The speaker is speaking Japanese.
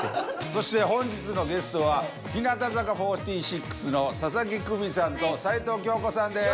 そして本日のゲストは日向坂４６の佐々木久美さんと齊藤京子さんです。